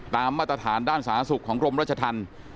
มาตรฐานด้านสาธารณสุขของกรมรัชธรรม